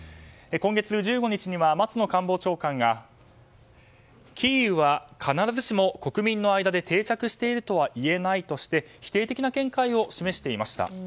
今月１５日には松野官房長官がキーウは必ずしも国民の間で定着しているとはいえないとして否定的な見解を示していました。